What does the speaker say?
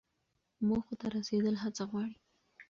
موخو ته رسیدل هڅه غواړي.